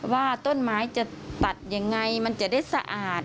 ว่าต้นไม้จะตัดยังไงมันจะได้สะอาด